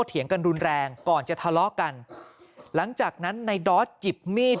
เถียงกันรุนแรงก่อนจะทะเลาะกันหลังจากนั้นในดอสหยิบมีด